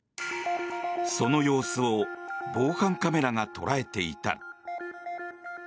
その様子を防犯カメラが捉えていた。